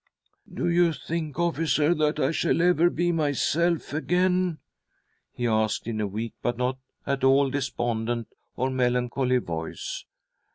" Do you think, officer, that I shall ever be myself again ?" he asked, in a weak but not at all despondent or melancholy voice.